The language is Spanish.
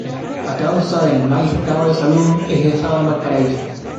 A causa del mal estado de salud, es dejado en Valparaíso.